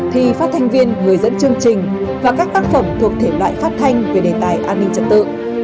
thi phát hành viên người dẫn chương trình và các tác phẩm thuộc thể loại phát hành về đề tài an ninh trật tự